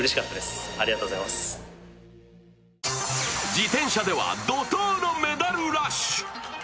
自転車では怒とうのメダルラッシュ。